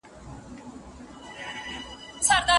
مار له غاره ځالګۍ ته سو وروړاندي